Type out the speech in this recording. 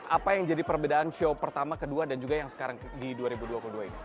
apa yang jadi perbedaan show pertama kedua dan juga yang sekarang di dua ribu dua puluh dua ini